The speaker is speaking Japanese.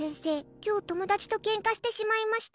今日友達とけんかしてしまいました。